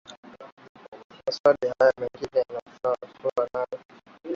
kwa maswali haya na mengine yanayofanana nayo